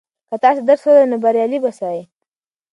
که تاسې درس ولولئ نو بریالي به سئ.